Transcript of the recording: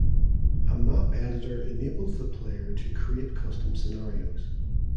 A map editor enables the player to create custom scenarios.